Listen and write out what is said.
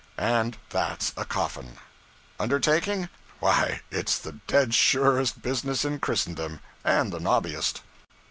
And that's a coffin. Undertaking? why it's the dead surest business in Christendom, and the nobbiest.